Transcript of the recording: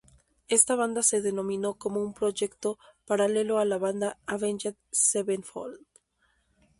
Esta banda se denominó como un proyecto paralelo a la banda Avenged Sevenfold.